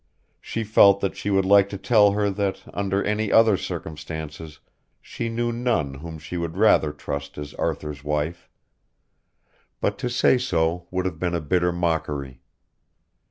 She felt that she would like to tell her that under any other circumstances she knew none whom she would rather trust as Arthur's wife; but to say so would have been a bitter mockery.